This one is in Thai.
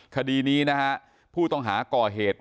คดีนี้นะฮะผู้ต้องหาก่อเหตุ